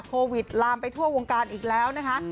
ลามไปทั่ววงการอีกแล้วนะคะ